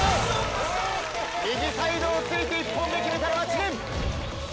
右サイドを突いて１本目決めたのは知念。